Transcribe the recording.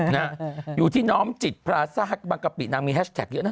นะฮะอยู่ที่น้องจิตพราสาฮัคมท์บางกะปินางมีแฮนด์แชลแท็กเยอะนะ